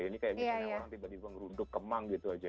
ini kayak misalnya orang tiba tiba meruduk kemang gitu saja